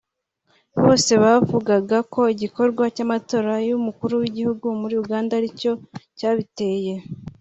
bose bavugaga ko igikorwa cy’amatora y’Umukuru w’Igihugu muri Uganda ari cyo cyabiteye